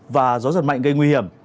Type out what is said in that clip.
và gió giật mạnh gây nguy hiểm